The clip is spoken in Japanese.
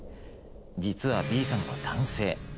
実はＢさんは男性。